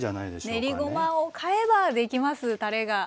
練りごまを買えばできますたれが。